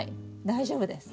大丈夫です。